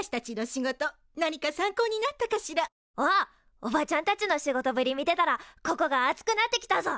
おばちゃんたちの仕事ぶり見てたらここが熱くなってきたぞ！